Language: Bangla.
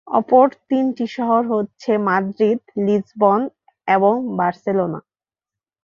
অপর তিনটি শহর হচ্ছে, মাদ্রিদ, লিসবন, এবং বার্সেলোনা।